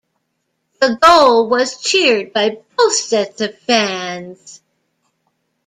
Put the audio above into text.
The goal was cheered by both sets of fans.